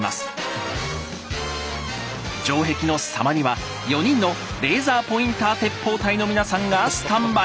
城壁の狭間には４人のレーザーポインター鉄砲隊の皆さんがスタンバイ。